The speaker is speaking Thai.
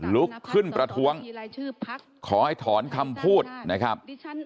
ลุกขึ้นประท้วงขอให้ถอนคำพูดนะครับ